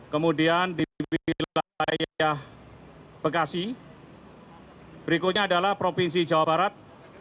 kemudian di wilayah bekasi berikutnya adalah provinsi jawa barat